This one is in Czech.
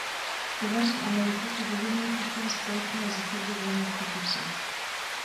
V Severní Americe se vyvinul systém společné výsadby zvaný „Tři sestry“.